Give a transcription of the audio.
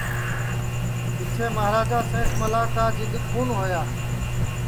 پیچھیں مہاراجا سینس ملا کا جِدؔ کھون ہوا